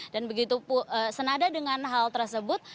dan begitu senada dengan hal tersebut